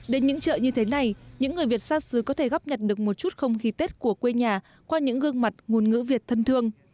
đến những chợ như thế này những người việt xa xứ có thể góp nhặt được một chút không khí tết của quê nhà qua những gương mặt ngôn ngữ việt thân thương